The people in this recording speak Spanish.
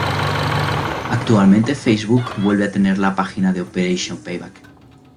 Actualmente Facebook vuelve a tener la página de Operation Payback.